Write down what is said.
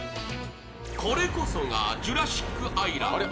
これこそがジュラシックアイランド。